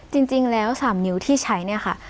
จริงแล้ว๓นิ้วที่ใช้เนี่ยค่ะ